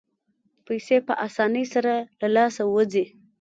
پیسې په اسانۍ سره له لاسه وځي.